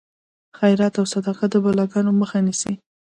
خیرات او صدقه د بلاګانو مخه نیسي.